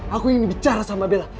aku ini bicara sama bella